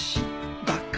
だから。